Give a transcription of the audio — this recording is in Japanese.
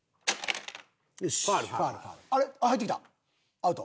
アウト。